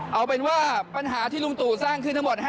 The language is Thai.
เอาเป็นว่าปัญหาที่ลุงตู่สร้างขึ้นทั้งหมด